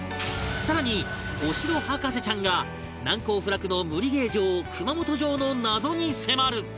さらにお城博士ちゃんが難攻不落の無理ゲー城熊本城の謎に迫る！